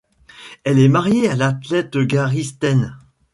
Elle est mariée à l'athlète Gary Staines.